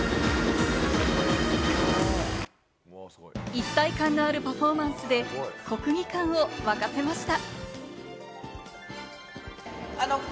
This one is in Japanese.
一体感のあるパフォーマンスで国技館を沸かせました。